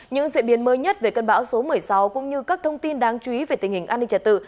những diễn biến mới nhất về cơn bão số một mươi sáu cũng như các thông tin đáng chú ý về tình hình an ninh trật tự